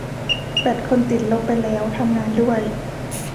แบตคนติดลบไปแล้ว ทำงานด้วย